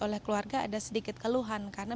oleh keluarga ada sedikit keluhan karena